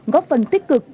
góp phần tích cực